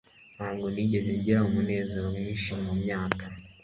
ntabwo nigeze ngira umunezero mwinshi mumyaka